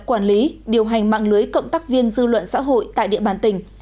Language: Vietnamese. quản lý điều hành mạng lưới cộng tác viên dư luận xã hội tại địa bàn tỉnh